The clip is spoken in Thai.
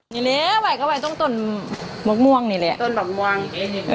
นี่แหละไว้ก็ไว้ต้องตนมวกม่วงนี่แหละตนมวกม่วงเออ